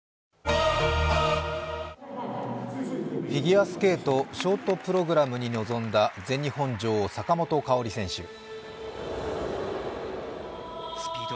フィギュアスケートショートプログラムに臨んだ全日本女王・坂本花織選手。